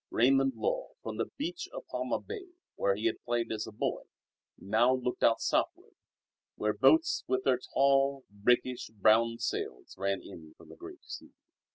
Raymund Lull from the beach of Palma Bay, where he had played as a boy, now looked out southward, where boats with their tall, rakish, brown sails ran in from the Great Sea.